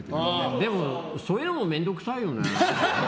でも、そういうのも面倒くさいよね。